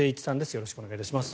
よろしくお願いします。